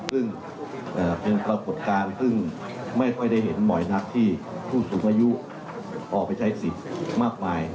ซึ่งเป็นปรากฏการณ์ซึ่งไม่ค่อยได้เห็นบ่อยนักที่ผู้สูงอายุออกไปใช้สิทธิ์มากมาย